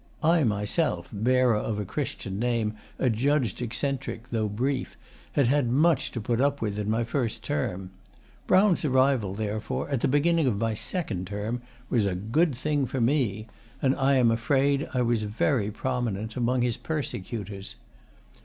I myself, bearer of a Christian name adjudged eccentric though brief, had had much to put up with in my first term. Brown's arrival, therefore, at the beginning of my second term, was a good thing for me, and I am afraid I was very prominent among his persecutors.